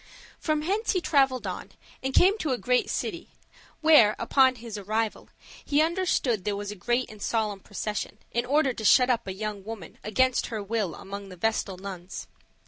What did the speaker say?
From hence he traveled on, and came to a great city, where, upon his arrival, he understood there was a great and solemn procession, in order to shut up a young woman against her will among the vestal nuns.